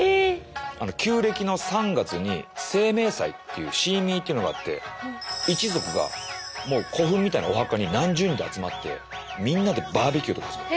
旧暦の３月に清明祭っていうシーミーっていうのがあって一族が古墳みたいなお墓に何十人と集まってみんなでバーベキューとか始める。